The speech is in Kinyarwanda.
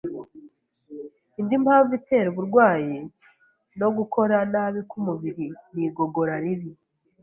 Indi mpamvu itera uburwayi no gukora nabi k’umubiri ni igogora ribi.